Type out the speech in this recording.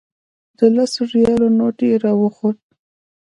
د لسو ریالو نوټ یې راښود.